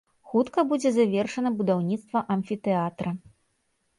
Хутка будзе завершана будаўніцтва амфітэатра.